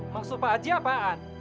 maksud pak haji apaan